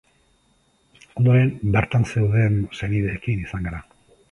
Ondoren, bertan zeuden senideekin izan gara.